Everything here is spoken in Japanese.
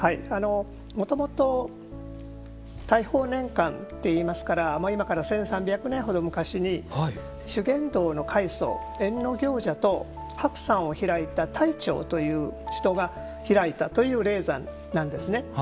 もともと大宝年間といいますから今から１３００年程昔に修験道の開祖、役行者と白雲を開いたたいちょうという人が開いたという霊山なんですね。